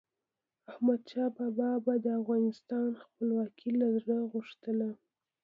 احمدشاه بابا به د افغانستان خپلواکي له زړه غوښتله.